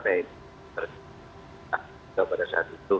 pada saat itu